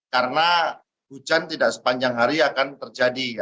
karena hujan tidak sepanjang hari akan terjadi